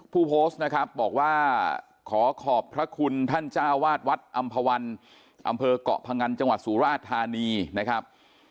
ผู้โพสต์นะครับบอกว่าขอขอบพระคุณท่านเจ้าวาดวัดอำภาวันอำเภอกเกาะพงันจังหวัดสุราชธานีนะครับ